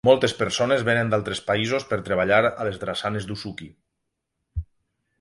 Moltes persones venen d'altres països per treballar a les drassanes d'Usuki.